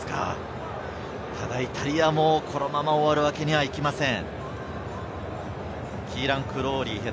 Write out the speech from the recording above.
ただイタリアも、このまま終わるわけにはいきません。